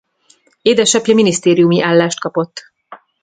Édesapja minisztériumi állást kapott.